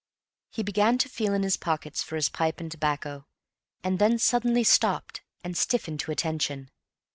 He began to feel in his pockets for his pipe and tobacco, and then suddenly stopped and stiffened to attention.